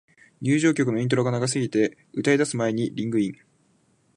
入場曲のイントロが長すぎて、歌い出す前にリングイン